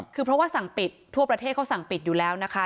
คือเพราะว่าสั่งปิดทั่วประเทศเขาสั่งปิดอยู่แล้วนะคะ